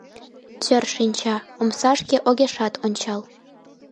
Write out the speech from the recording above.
Тӧр шинча, омсашке огешат ончал.